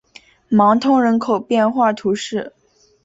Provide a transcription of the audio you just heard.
芒通人口变化图示